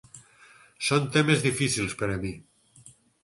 Són temes difícils per a mi.